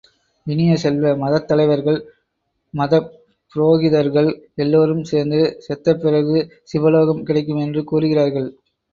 இனிய செல்வ, மதத் தலைவர்கள், மதப்புரோகிதர்கள், எல்லோரும் சேர்ந்து செத்தபிறகு சிவலோகம் கிடைக்கும் என்று கூறுகிறார்கள்.